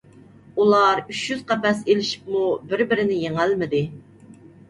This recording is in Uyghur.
ئۇلار ئۈچ يۈز قەپەس ئېلىشىپمۇ بىر - بىرىنى يېڭەلمىدى.